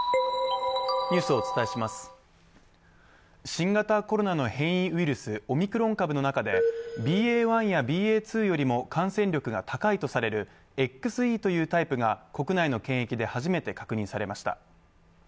新型コロナの変異ウイルス、オミクロン株の中でＢＡ．１やＢＡ．２よりも感染力が高いとされるＸＥというタイプが国内の検疫で初めて確認されました。